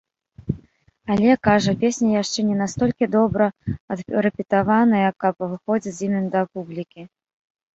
Але, кажа, песні яшчэ не настолькі добра адрэпетаваныя, каб выходзіць з імі да публікі.